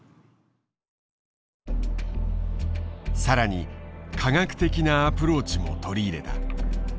更に科学的なアプローチも取り入れた。